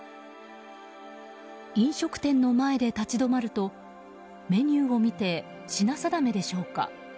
飲食店の前で立ち止まるとメニューを見て品定めでしょうか。